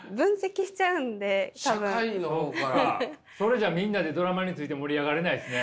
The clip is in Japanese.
それじゃあみんなでドラマについて盛り上がれないですね。